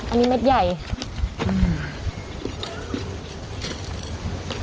อันนี้เม็ดใหญ่อืม